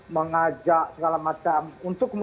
mengajak segala macam untuk